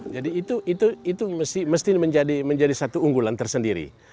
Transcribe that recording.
jadi itu mesti menjadi satu unggulan tersendiri